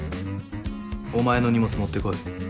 お前の荷物持ってこい。